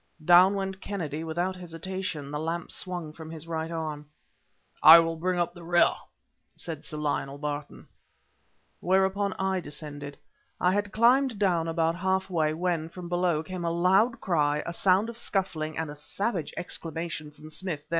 Down went Kennedy without hesitation, the lamp swung from his right arm. "I will bring up the rear," said Sir Lionel Barton. Whereupon I descended. I had climbed down about half way when, from below, came a loud cry, a sound of scuffling, and a savage exclamation from Smith.